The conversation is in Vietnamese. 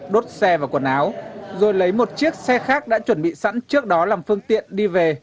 đốt xe và quần áo rồi lấy một chiếc xe khác đã chuẩn bị sẵn trước đó làm phương tiện đi về